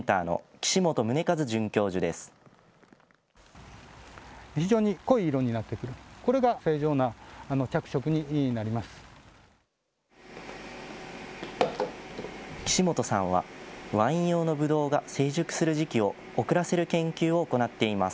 岸本さんはワイン用のぶどうが成熟する時期を遅らせる研究を行っています。